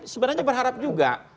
saya berharap juga